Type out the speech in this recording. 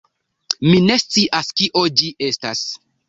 Mi ne scias kio ĝi estas.